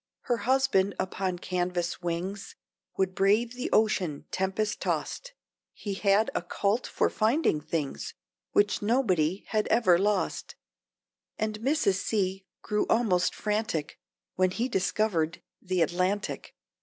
Her husband upon canvas wings Would brave the Ocean, tempest tost; He had a cult for finding things Which nobody had ever lost, And Mrs. C. grew almost frantic When he discovered the Atlantic.